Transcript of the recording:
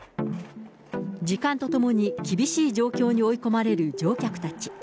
時間とともに厳しい状況に追い込まれる乗客たち。